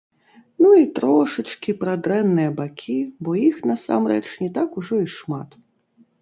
Ну і трошачкі пра дрэнныя бакі, бо іх, насамрэч, не так ужо і шмат.